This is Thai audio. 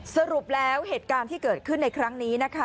สรุปแล้วเหตุการณ์ที่เกิดขึ้นในครั้งนี้นะคะ